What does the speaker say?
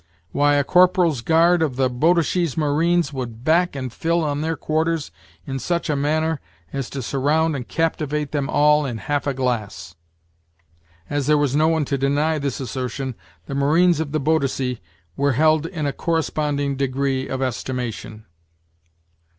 why, a corporal's guard of the Boadishey's marines would back and fill on their quarters in such a manner as to surround and captivate them all in half a glass." As there was no one to deny this assertion, the marines of the Boadicea were held in a corresponding degree of estimation.